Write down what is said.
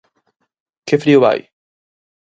Que frío vai!